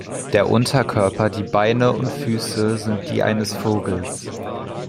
Der Unterkörper, die Beine und Füße sind die eines Vogels.